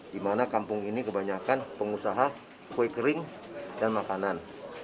di mana kampung ini kebanyakan pengusaha kue kering dan makanan